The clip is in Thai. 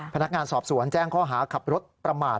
พนักงานสอบสวนแจ้งข้อหาขับรถประมาท